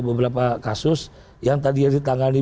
beberapa kasus yang tadi yang ditangani